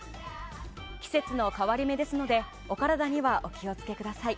季節の変わり目ですのでお体にはお気を付けください。